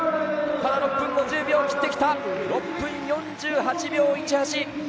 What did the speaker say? ただ６分５０秒を切ってきた６分４８秒１８！